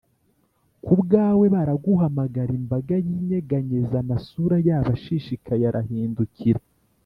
kubwawe baraguhamagara, imbaga yinyeganyeza, amasura yabo ashishikaye arahindukira;